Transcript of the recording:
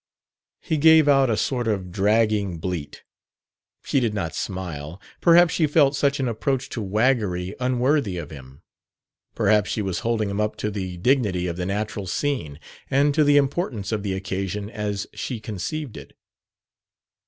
He gave out a sort of dragging bleat. She did not smile; perhaps she felt such an approach to waggery unworthy of him. Perhaps she was holding him up to the dignity of the natural scene, and to the importance of the occasion as she conceived it.